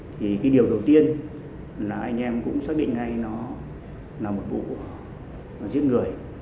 thì cái điều đầu tiên là anh em cũng xác định ngay nó là một vụ giết người